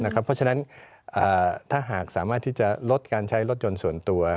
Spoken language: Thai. เพราะฉะนั้นถ้าหากสามารถที่จะลดการใช้รถยนต์ส่วนตัว